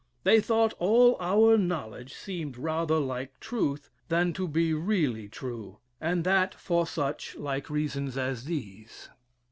They thought all our knowledge seemed rather like truth, than to be really true, and that for such like reasons as these: "1.